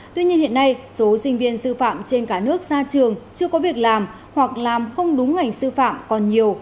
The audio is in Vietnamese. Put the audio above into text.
tuy nhiên hiện nay số sinh viên sư phạm trên cả nước ra trường chưa có việc làm hoặc làm không đúng ngành sư phạm còn nhiều